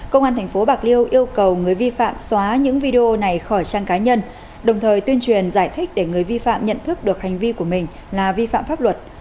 công an tp bạc liêu yêu cầu người vi phạm xóa những video này khỏi trang cá nhân đồng thời tuyên truyền giải thích để người vi phạm nhận thức được hành vi của mình là vi phạm pháp luật